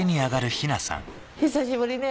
久しぶりね。